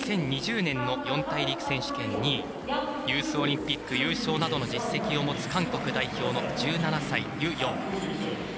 ２０２０年の四大陸選手権２位ユースオリンピック優勝などの実績を持つ韓国代表の１７歳、ユ・ヨン。